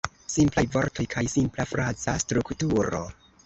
Simplaj vortoj kaj simpla fraza strukturo.